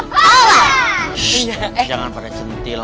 shhh jangan pada centil